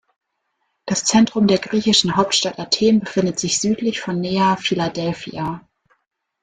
Das Zentrum der griechischen Hauptstadt Athen befindet sich südlich von Nea Filadelfia.